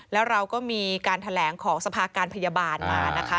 แล้วเราก็มีการแถลงของสภาการพยาบาลมานะคะ